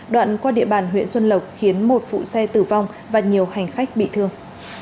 đoạn qua địa bàn huyện xuân lộc khiến một phụ xe tử vong và nhiều hành khách bị thương